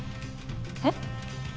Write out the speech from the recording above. えっ？